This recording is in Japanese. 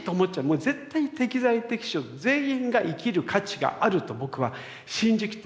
もう絶対に適材適所全員が生きる価値があると僕は信じきってます。